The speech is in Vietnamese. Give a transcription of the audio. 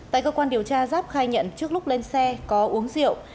tại cơ quan điều tra giáp khai nhận trước lúc lên xe có uống rượu